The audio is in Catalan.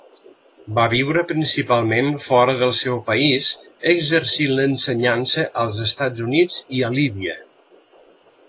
Va viure principalment fora del seu país exercint l'ensenyança als Estats Units i a Líbia.